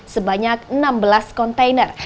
sebanyak enam belas kontainer